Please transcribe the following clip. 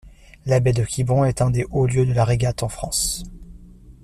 La baie de Quiberon est un des hauts lieux de la régate en France.